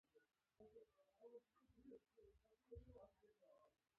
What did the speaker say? زموږ نیکونه فوت شوي دي